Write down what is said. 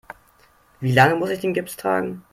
Wie lange muss ich den Gips tragen?